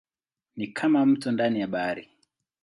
Ni kama mto ndani ya bahari.